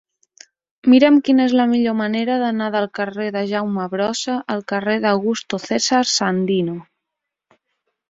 Mira'm quina és la millor manera d'anar del carrer de Jaume Brossa al carrer d'Augusto César Sandino.